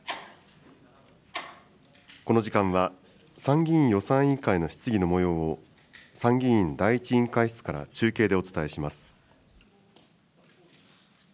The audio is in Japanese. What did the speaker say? この時間は、参議院予算委員会の質疑のもようを、参議院第１委員会室から中継でお伝えします。